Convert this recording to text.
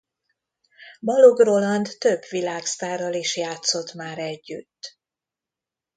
Balogh Roland több világsztárral is játszott már együtt.